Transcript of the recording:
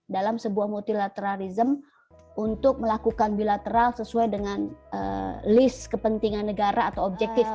dalam sebuah multilaterarism untuk melakukan bilateral sesuai dengan list kepentingan negara atau objektif